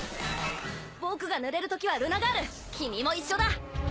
僕がぬれるときはルナ・ガール君も一緒だ！